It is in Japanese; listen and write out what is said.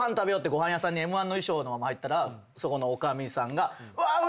ご飯屋さんＭ−１の衣装のまま入ったらそこの女将さんが。